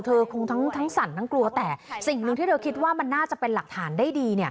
คงทั้งสั่นทั้งกลัวแต่สิ่งหนึ่งที่เธอคิดว่ามันน่าจะเป็นหลักฐานได้ดี